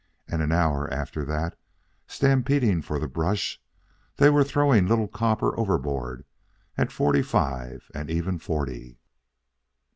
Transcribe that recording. And an hour after that, stampeding for the brush, they were throwing Little Copper overboard at forty five and even forty.